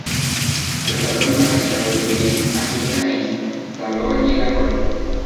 Trasladó el marquesado de Turín a Susa e instaló allí la corte.